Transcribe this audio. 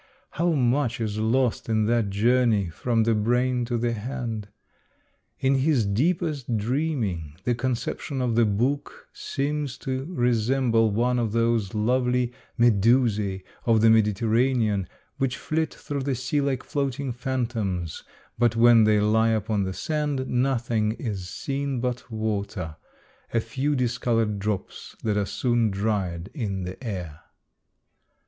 How much is lost in that journey from the brain to the hand ! In his deepest dreaming, the con ception of the book seems to resemble one of those lovely mediiscB of the Mediterranean, which flit through the sea hke floating phantoms, but when they lie upon the sand, nothing is seen but water, a few discolored drops that are soon dried in the air.